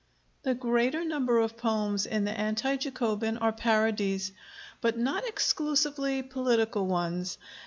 The greater number of poems in the Anti Jacobin are parodies, but not exclusively political ones.